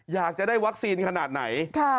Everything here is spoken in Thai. อยากจะได้วัคซีนขนาดไหน